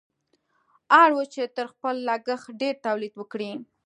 اړ وو چې تر خپل لګښت ډېر تولید وکړي.